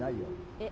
えっ。